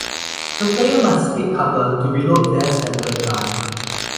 The player must take cover to reload their standard gun.